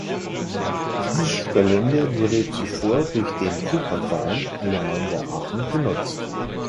Dieses Gelände wurde zuvor durch den Fußballverein Alemannia Aachen genutzt.